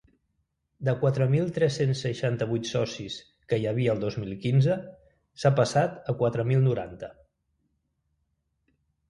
De quatre mil tres-cents seixanta-vuit socis que hi havia el dos mil quinze s’ha passat a quatre mil noranta.